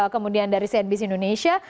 kemudian dari cnbc indonesia